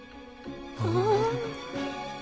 ああ。